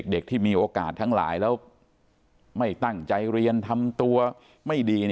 เด็กที่มีโอกาสทั้งหลายแล้วไม่ตั้งใจเรียนทำตัวไม่ดี